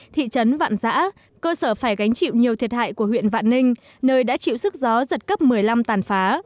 thị trấn vạn giã cơ sở phải gánh chịu nhiều thiệt hại của huyện vạn ninh nơi đã chịu sức gió giật cấp một mươi năm tàn phá